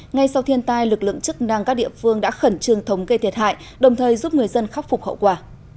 ngay sau thiên tai lực lượng chức năng các địa phương đã khẩn trương thống gây thiệt hại đồng thời giúp người dân khắc phục hậu quả